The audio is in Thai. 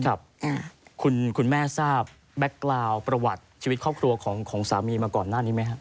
คุณแม่ทราบแบ็คกราวประวัติชีวิตครอบครัวของสามีมาก่อนหน้านี้ไหมครับ